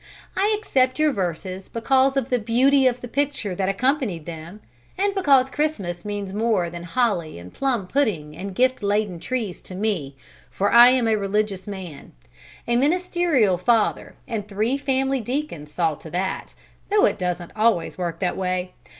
I accept your verses because of the beauty of the picture that accompanied them, and because Christmas means more than holly and plum pudding and gift laden trees to me, for I am a religious man, a ministerial father and three family deacons saw to that, though it doesn't always work that way!